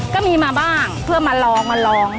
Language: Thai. ก็มีมาบ้างเพื่อมาลองมาลอง